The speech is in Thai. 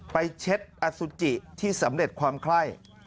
เช็ดอสุจิที่สำเร็จความไข้